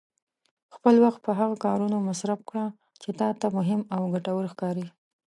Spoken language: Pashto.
خپل وخت په هغه کارونو مصرف کړه چې تا ته مهم او ګټور ښکاري.